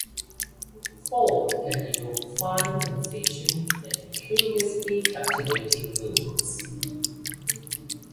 Ford can evoke fine sensations and curiously-captivating moods.